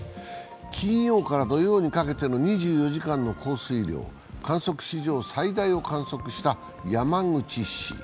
金曜から土曜にかけての２４時間の降水量、観測史上最大を観測した山口市。